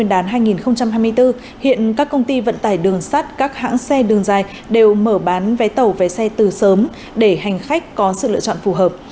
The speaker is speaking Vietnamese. trong dịch bệnh các công ty vận tải đường sắt các hãng xe đường dài đều mở bán vé tàu vé xe từ sớm để hành khách có sự lựa chọn phù hợp